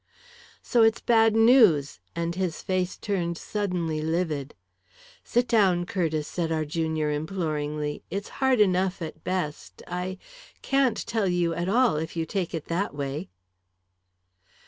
"So it's bad news!" and his face turned suddenly livid. "Sit down, Curtiss," said our junior imploringly. "It's hard enough, at best I can't tell you at all if you take it that way."